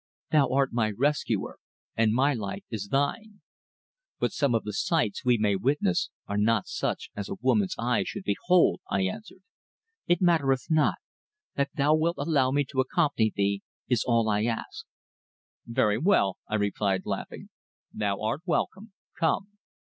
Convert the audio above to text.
Thou art my rescuer, and my life is thine." "But some of the sights we may witness are not such as a woman's eyes should behold," I answered. "It mattereth not. That thou wilt allow me to accompany thee, is all I ask." "Very well," I replied, laughing. "Thou art welcome. Come."